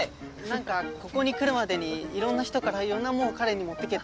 何かここに来るまでにいろんな人からいろんなもんを彼に持ってけって。